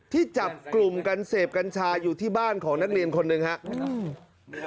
ที่จับกลุ่มกันเสพกัญชาอยู่ที่บ้านของนักเรียนคนหนึ่งครับ